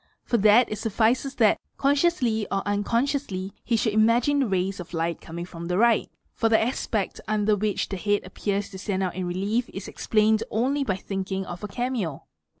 For that 1 suffices that, consciously or unconsciously, he should imagine the rays off light coming from the right, for the aspect under which the head appeat to stand out in relief is explained only by thinking of a cameo.